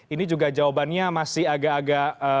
ini juga jawabannya masih agak agak